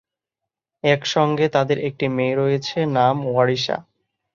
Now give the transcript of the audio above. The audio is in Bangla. একসঙ্গে তাদের একটি মেয়ে রয়েছে, নাম ওয়ারিশা।